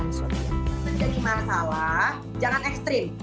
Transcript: jadi masalah jangan ekstrim